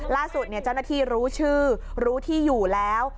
ล่าสุดเจ้าหน้าที่รู้ชื่อรู้ที่อยู่แล้ว